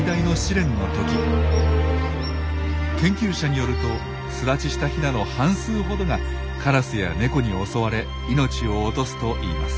研究者によると巣立ちしたヒナの半数ほどがカラスやネコに襲われ命を落とすといいます。